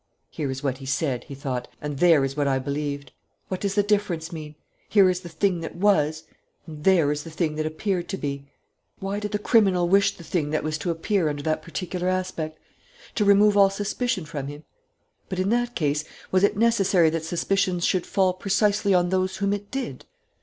"Here is what he said," he thought, "and there is what I believed. What does the difference mean? Here is the thing that was, and there is the thing that appeared to be. Why did the criminal wish the thing that was to appear under that particular aspect? To remove all suspicion from him? But, in that case, was it necessary that suspicion should fall precisely on those on whom it did?"